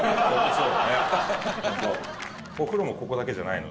そう。